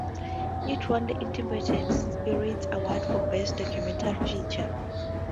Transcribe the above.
It won the Independent Spirit Award for Best Documentary Feature.